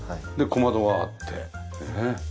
小窓があってねえ。